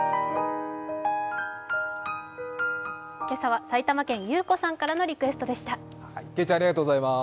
今朝は埼玉県ゆうこさんからのリクエストでした。